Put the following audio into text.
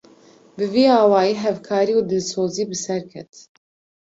Bi vî awayî hevkarî û dilsozî bi ser ket